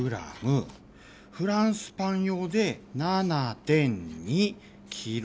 フランスパン用で７．２ｋｇ。